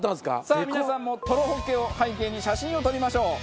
さあ皆さんもとろほっけを背景に写真を撮りましょう。